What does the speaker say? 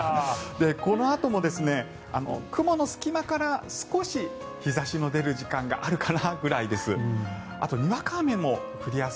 このあとも雲の隙間から少し日差しの出る時間があるかなぐらいです。